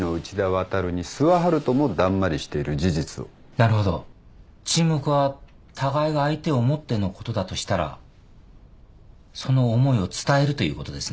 なるほど沈黙は互いが相手を思ってのことだとしたらその思いを伝えるということですね？